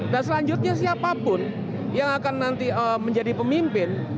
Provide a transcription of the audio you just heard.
dan selanjutnya siapapun yang akan nanti menjadi pemimpin